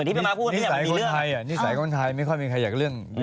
นี่สายคนไทยอ่ะนี่สายคนไทยไม่ค่อยมีใครอยากเรื่อง